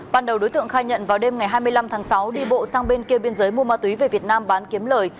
ban đầu đối tượng khai nhận vào đêm ngày hai mươi năm tháng sáu đi bộ sang bên kia biên giới mua ma túy về việt nam bán kiếm lời